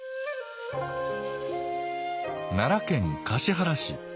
奈良県橿原市。